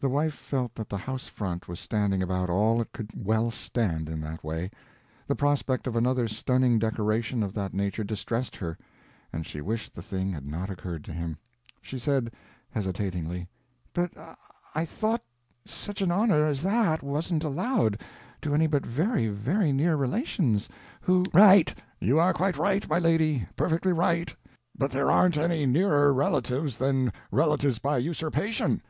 The wife felt that the house front was standing about all it could well stand, in that way; the prospect of another stunning decoration of that nature distressed her, and she wished the thing had not occurred to him. She said, hesitatingly: "But I thought such an honour as that wasn't allowed to any but very very near relations, who—" "Right, you are quite right, my lady, perfectly right; but there aren't any nearer relatives than relatives by usurpation.